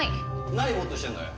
何ボーッとしてんだよ。